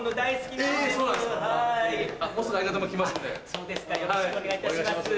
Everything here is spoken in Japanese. そうですかよろしくお願いいたします。